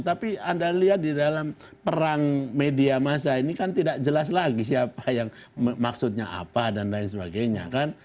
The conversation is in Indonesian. tapi anda lihat di dalam perang media masa ini kan tidak jelas lagi siapa yang maksudnya apa dan lain sebagainya kan